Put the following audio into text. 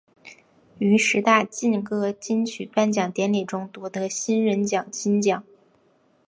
于十大劲歌金曲颁奖典礼中夺得新人奖金奖。